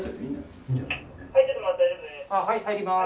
はい入ります。